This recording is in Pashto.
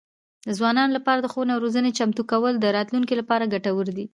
د ځوانانو لپاره د ښوونې او روزنې چمتو کول د راتلونکي لپاره ګټور دي.